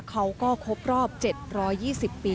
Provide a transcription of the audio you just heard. เขาก็ครบรอบ๗๒๐ปี